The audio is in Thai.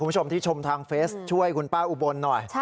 คุณผู้ชมที่ชมทางเฟสช่วยคุณป้าอุบลหน่อย